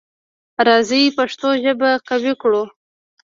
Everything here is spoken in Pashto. راځی پښتو ژبه قوي کړو.